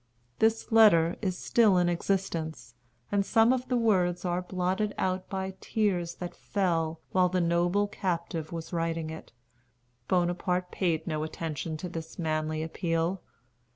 This letter is still in existence, and some of the words are blotted out by tears that fell while the noble captive was writing it. Bonaparte paid no attention to this manly appeal.